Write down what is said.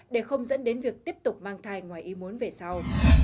để không dẫn đến việc tiếp tục mang thai ngoài ý muốn về sau